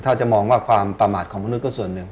ถ้าจะมองว่าความประมาทของมนุษย์ส่วนหนึ่ง